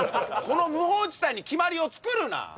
この無法地帯に決まりを作るな！